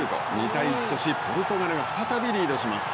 ２対１としポルトガルが再びリードします。